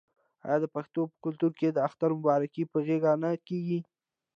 آیا د پښتنو په کلتور کې د اختر مبارکي په غیږ نه کیږي؟